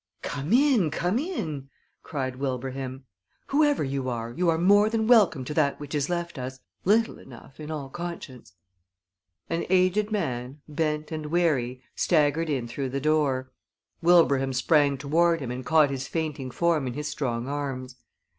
"Come in, come in!" cried Wilbraham. "Whoever you are, you are more than welcome to that which is left us; little enough in all conscience." An aged man, bent and weary, staggered in through the door. Wilbraham sprang toward him and caught his fainting form in his strong arms.